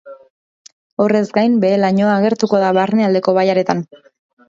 Horrez gain behe-lainoa agertuko da barnealdeko bailaretan.